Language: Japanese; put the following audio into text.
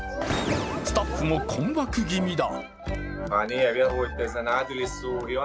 スタッフも困惑気味だ。